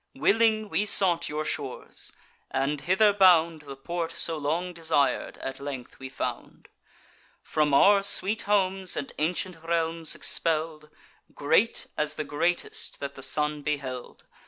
Willing we sought your shores; and, hither bound, The port, so long desir'd, at length we found; From our sweet homes and ancient realms expell'd; Great as the greatest that the sun beheld.